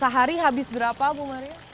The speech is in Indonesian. sehari habis berapa bu maria